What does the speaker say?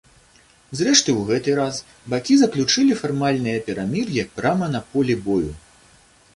Зрэшты, у гэты раз бакі заключылі фармальнае перамір'е прама на полі бою.